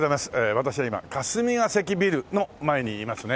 私は今霞ヶ関ビルの前にいますね。